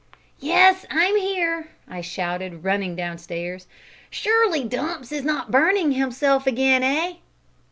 "Yes, I am here," I shouted, running downstairs. "Surely Dumps is not burning himself again eh?"